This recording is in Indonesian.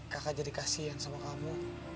kakak jadi kasian sama kamu